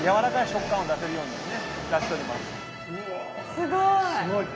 すごい。